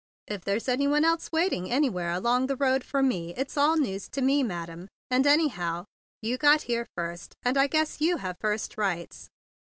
"If there's any one else waiting any¬ where along this road for me, it's all news to me, madam; and anyhow you got here first, and I guess you have first rights."